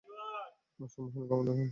সম্মোহনী ক্ষমতা সৌন্দর্য থেকেও মূল্যবান।